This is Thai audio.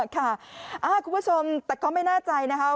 ค่ะคุณผู้ชมแต่ก็ไม่น่าใจนะครับ